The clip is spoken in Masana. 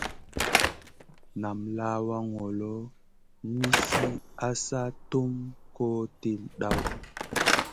Nam lawa ŋolo nizi asa tum koh til ɗoʼ.